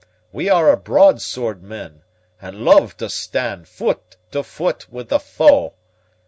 We are broadsword men, and love to stand foot to foot with the foe.